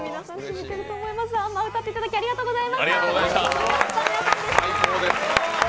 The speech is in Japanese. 「アンマー」歌っていただきありがとうございました。